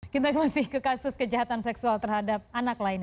kita masih ke kasus kejahatan seksual terhadap anak lainnya